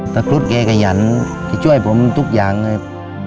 ตะครุฑแกกระหยั่นแกช่วยผมทุกอย่างเลย